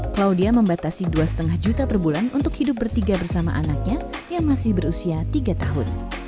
claudia membatasi dua lima juta per bulan untuk hidup bertiga bersama anaknya yang masih berusia tiga tahun